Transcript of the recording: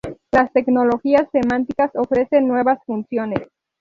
Las tecnologías semánticas ofrecen nuevas funciones.